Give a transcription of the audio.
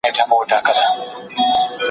که ماشوم وزن نه اخلي ډاکټر ته لاړ شئ.